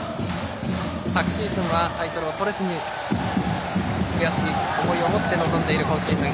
昨シーズンはタイトルを取れずに悔しい思いを持って臨んでいる今シーズン。